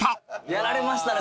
やられましたね